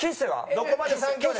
どこまで３兄弟。